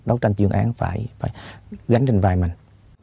đấu tranh dương án phải gánh trên vai mình